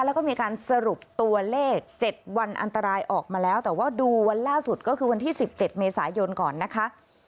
แล้วก็มีการสรุปตัวเลข๗วันอันตรายออกมาแล้วแต่ว่าดูวันล่าสุดก็คือวันที่๑๗เมษายนก่อนนะคะ